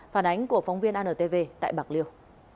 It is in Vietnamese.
phản ánh của phóng viên antv tại bạc liêu